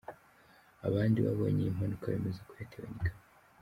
Abandi babonye iyi mpanuka bemeza ko yatewe n’ikamyo.